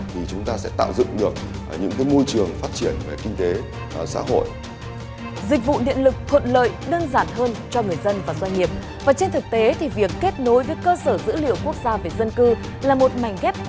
thì chúng ta sẽ tạo dựng được những môi trường phát triển về kinh tế